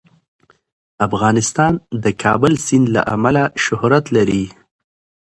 افغانستان د د کابل سیند له امله شهرت لري.